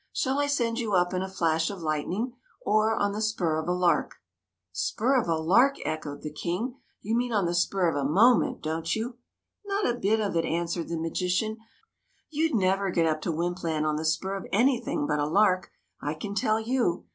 Shall I send you up in a flash of lightning or on the spur of a lark ?"'' Spur of a lark !" echoed the King. " You mean on the spur of a moment, don't you ?"" Not a bit of it," answered the magician ;" you *d never get up to Wympland on the spur of anything but a lark, I can tell you